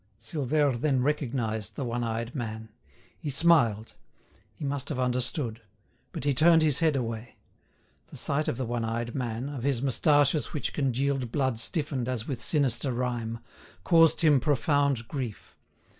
Silvère then recognised the one eyed man. He smiled. He must have understood. But he turned his head away. The sight of the one eyed man, of his moustaches which congealed blood stiffened as with sinister rime, caused him profound grief.